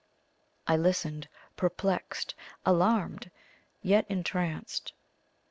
I listened, perplexed, alarmed, yet entranced.